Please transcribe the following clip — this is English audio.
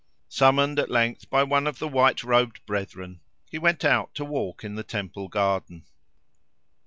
Summoned at length by one of the white robed brethren, he went out to walk in the temple garden.